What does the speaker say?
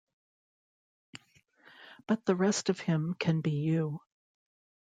But the rest of him can be you.